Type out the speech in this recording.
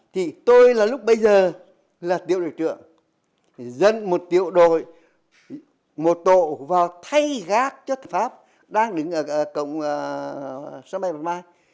thì tôi là lúc bây giờ là tiểu đội trưởng dân một tiểu đội một tộ vào thay gác cho pháp đang đứng ở cổng sân bay bạch mai